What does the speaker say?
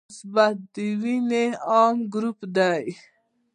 او مثبت د وینې عام ګروپ دی